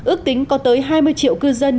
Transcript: ước tính có tới hai mươi triệu cư dân